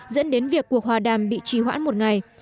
dẫn đến việc cuộc hòa đàm bị trì hoãn một ngày